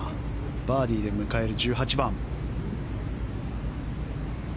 バーディーで迎える１８番。